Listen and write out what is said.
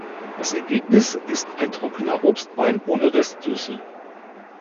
Das Ergebnis ist ein trockener Obstwein ohne Restsüße.